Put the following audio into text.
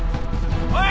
おい！